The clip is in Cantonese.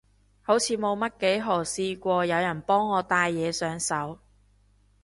好似冇乜幾可試過有人幫我戴嘢上手